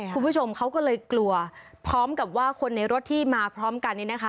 คุณผู้ชมเขาก็เลยกลัวพร้อมกับว่าคนในรถที่มาพร้อมกันนี้นะคะ